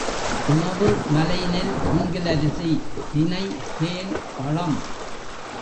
உணவு மலைநெல், மூங்கிலரிசி, தினை, தேன், பழம்.